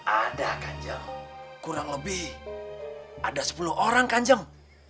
ada kanjeng kurang lebih ada sepuluh orang kanjeng